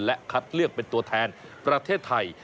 และคัดเลือกเป็นตัวแทนประเทศไทย